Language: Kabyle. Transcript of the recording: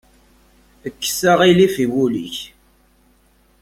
Kkes aɣilif i wul-ik.